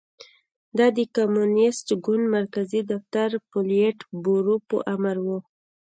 دا د کمونېست ګوند مرکزي دفتر پولیټ بورو په امر و